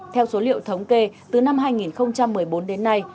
theo số liệu thống kê từ năm hai nghìn một mươi bốn đến nay